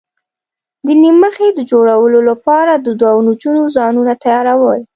د نیم مخي د جوړولو لپاره دوو نجونو ځانونه تیاراول.